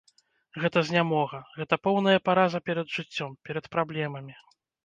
Гэта знямога, гэта поўная параза перад жыццём, перад праблемамі.